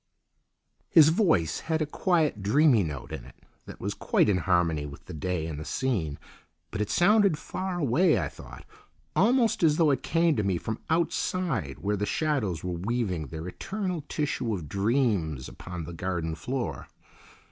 His voice had a quiet dreamy note in it that was quite in harmony with the day and the scene, but it sounded far away, I thought, almost as though it came to me from outside where the shadows were weaving their eternal tissue of dreams upon the garden floor.